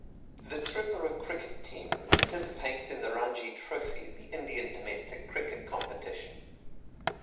The Tripura cricket team participates in the Ranji Trophy, the Indian domestic cricket competition.